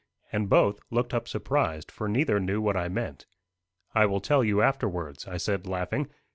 And both, looked up surprised, for neither knew what I meant. "I will tell you afterwards," I said, laughing.